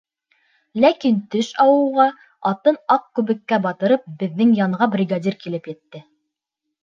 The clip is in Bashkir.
Ләкин төш ауыуға, атын аҡ күбеккә батырып, беҙҙең янға бригадир килеп етте.